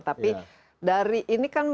tapi dari ini kan